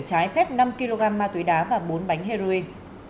trái phép năm kg ma túy đá và bốn bánh heroin